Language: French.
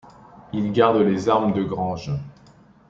Il garde les armes de Granges.